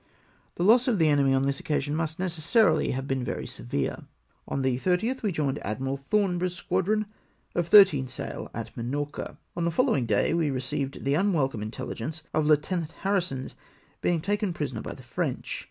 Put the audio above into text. The loss of the enemy on this occasion must necessarily have been very severe. On the 30th we joined Admiral Thornborough's squadron of thirteen sail at Minorca. On the foUowing day we received the unwelcome* mtelhgence of Lieu tenant Harrison's having been taken prisoner by the French.